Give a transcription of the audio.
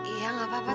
iya gak apa apa tante